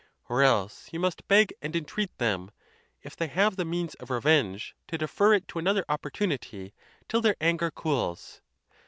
or else you must beg and entreat them, if they have the means of revenge, to defer it to another opportunity, till their anger cools.